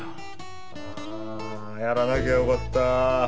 ああやらなきゃよかった！